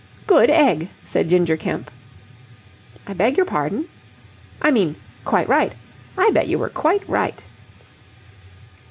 "Good egg!" said Ginger Kemp. "I beg your pardon?" "I mean, quite right. I bet you were quite right."